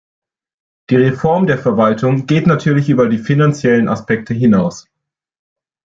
Die Reform der Verwaltung geht natürlich über die finanziellen Aspekte hinaus.